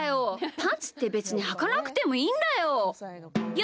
パンツって、べつにはかなくてもいいんだよ。